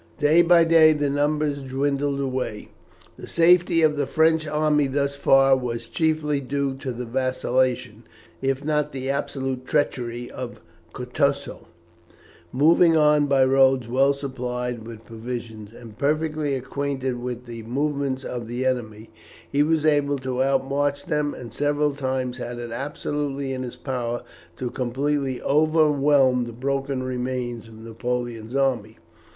Day by day the numbers dwindled away. The safety of the French army thus far was chiefly due to the vacillation, if not the absolute treachery, of Kutusow. Moving on by roads well supplied with provisions, and perfectly acquainted with the movements of the enemy, he was able to outmarch them, and several times had it absolutely in his power to completely overwhelm the broken remains of Napoleon's army.